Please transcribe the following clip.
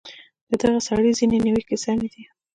د دغه سړي ځینې نیوکې سمې دي.